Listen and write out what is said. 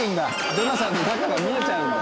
ジョナサンの中が見えちゃうんだ。